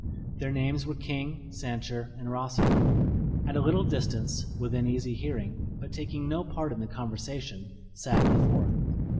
Their names were King, Sancher, and Rosser. At a little distance, within easy hearing, but taking no part in the conversation, sat a fourth.